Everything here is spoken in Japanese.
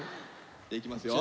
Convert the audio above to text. いきますよ。